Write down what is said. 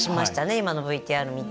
今のＶＴＲを見て。